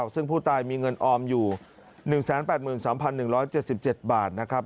ซึ่งผู้ตายมีเงินออมอยู่๑๘๓๑๗๗บาทนะครับ